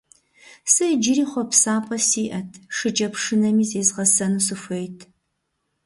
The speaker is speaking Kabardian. Сэ иджыри хъуапсапӀэ сиӀэт, шыкӀэпшынэми зезгъэсэну сыхуейт.